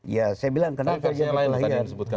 saya bilang kenapa perkelahian